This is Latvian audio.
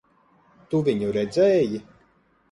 Tu viņu redzēji?